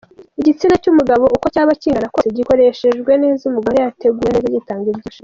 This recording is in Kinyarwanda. Igitsina cy’umugabo uko cyaba kingana kose, gikoreshejwe neza ,umugore yateguwe neza, gitanga ibyishimo .